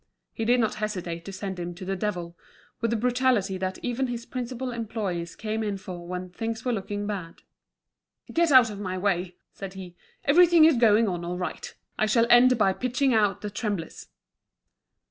He did not hesitate to send him to the devil, with a brutality that even his principal employees came in for when things were looking bad. "Get out of my way!" said he. "Everything is going on all right. I shall end by pitching out the tremblers."